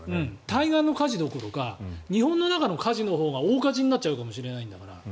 対岸の火事どころか日本の中の火事のほうが大火事になっちゃうかもしれないから。